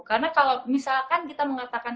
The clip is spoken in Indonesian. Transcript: karena kalau misalkan kita mengatakan